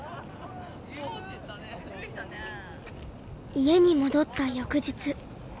家に戻った翌日。